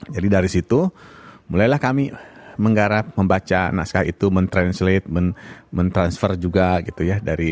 jadi dari situ mulailah kami menggarap membaca naskah itu men translate men transfer juga gitu ya